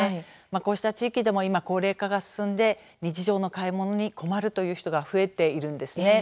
こうした地域でも今、高齢化が進んで日常の買い物に困るという人が増えているんですね。